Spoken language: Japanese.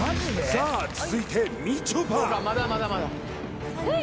さあ続いてみちょぱえっ